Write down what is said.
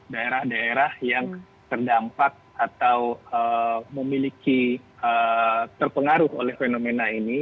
daerah daerah yang terdampak atau memiliki terpengaruh oleh fenomena ini